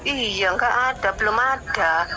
iya nggak ada belum ada